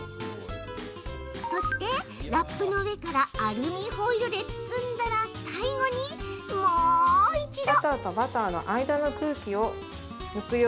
そして、ラップの上からアルミホイルで包んだら最後にモー、一度。